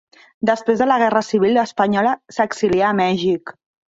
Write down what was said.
Després de la guerra civil espanyola s'exilià a Mèxic.